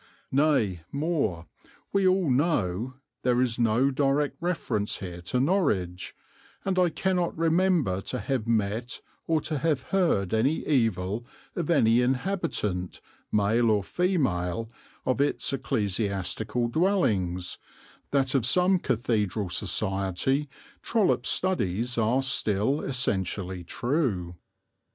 Nay, more, we all know there is no direct reference here to Norwich, and I cannot remember to have met or to have heard any evil of any inhabitant, male or female, of its ecclesiastical dwellings that of some cathedral society Trollope's studies are still essentially true.